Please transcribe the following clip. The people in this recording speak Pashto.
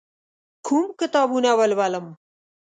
کوم کتابونه ولولم؟